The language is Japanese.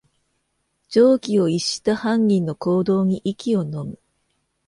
常軌を逸した犯人の行動に息をのむ